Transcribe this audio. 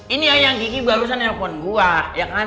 ini ayang kiki barusan handphone gua